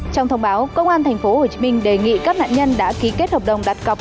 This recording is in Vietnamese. trong thông báo công an tp hcm đề nghị các nạn nhân đã ký kết hợp đồng đặt cọc